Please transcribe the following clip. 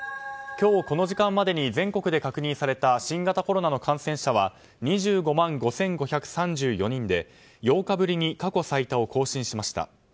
今日この時間までに全国で確認された新型コロナの感染者は２５万５５３４人で８日ぶりに過去最多を更新しました。